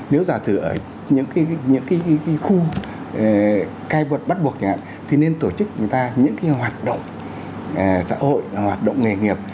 nếu giả thử ở những khu cai vật bắt buộc thì nên tổ chức người ta những hoạt động xã hội hoạt động nghề nghiệp